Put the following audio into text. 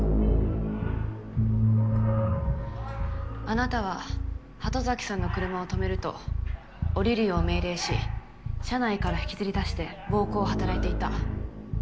あなたは鳩崎さんの車を止めると降りるよう命令し車内から引きずり出して暴行を働いていた。